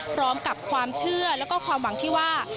พร้อมกับความเชื่อแล้วก็ความหวังที่ว่า